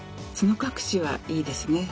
角隠しはいいですね！